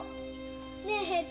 ねえ平太。